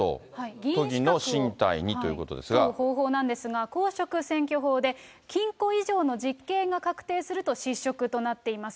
議員資格を方法なんですが、公職選挙法で禁錮以上の実刑が確定すると、失職となっています。